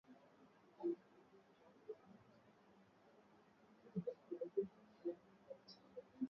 virusi vya Korona virusi vya Homa ya bonde la ufa na kadhalika